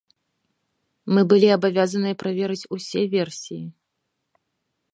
Мы былі абавязаныя праверыць усе версіі.